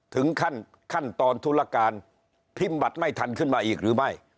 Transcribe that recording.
ถึงขั้นขั้นตอนธุรการพิมพ์บัตรไม่ทันขึ้นมาอีกหรือไม่